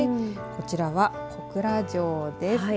こちらは小倉城です。